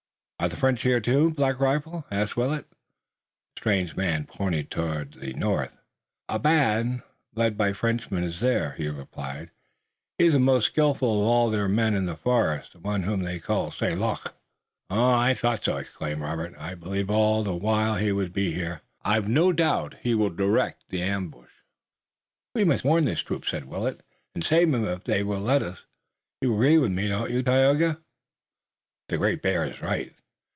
"Are the French here too, Black Rifle?" asked Willet. The strange man pointed toward the north. "A band led by a Frenchman is there," he replied. "He is the most skillful of all their men in the forest, the one whom they call St. Luc." "I thought so!" exclaimed Robert. "I believed all the while he would be here. I've no doubt he will direct the ambush." "We must warn this troop," said Willet, "and save 'em if they will let us. You agree with me, don't you, Tayoga?" "The Great Bear is right."